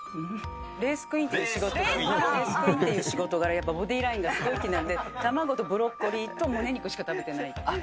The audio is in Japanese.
レースクイーンっていう仕事柄、やっぱボディーラインがすごい気になるので、卵とブロッコリーとむね肉しか食べてないので。